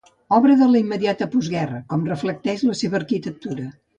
Obra de la immediata postguerra, com reflecteix la seva arquitectura.